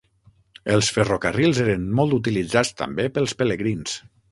Els ferrocarrils eren molt utilitzats també pels pelegrins.